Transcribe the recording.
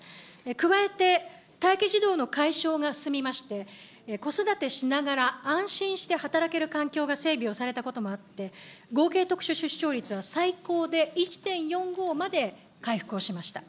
加えて待機児童の解消が進みまして、子育てしながら、安心して働ける環境が整備をされたこともあって、合計特殊出生率は、最高で１．４５まで回復をしました。